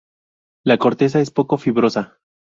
La corteza es poco fibrosa.